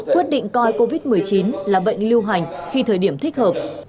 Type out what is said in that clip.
quyết định coi covid một mươi chín là bệnh lưu hành khi thời điểm thích hợp